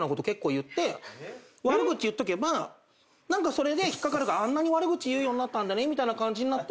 それで引っ掛かるからあんなに悪口言うようになったんだねみたいな感じになって。